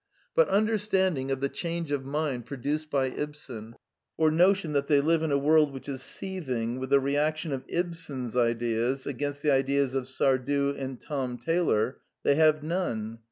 But understanding of the change of mind produced by Ibsen, or notion that they live in a world which is seething with the reaction of Ibsen's ideas against the ideas of Sardou and Tom Taylor, they have none.